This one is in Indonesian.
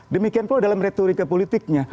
demikianpun dalam retorika politiknya